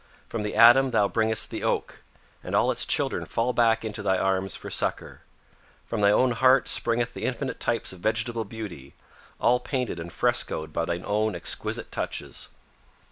From the atom thou bringest the oak, and all its children fall back into thy arms for succor. From thy own heart spring the infinite types of vegetable beauty, all painted and frescoed by thy own exquisite touches.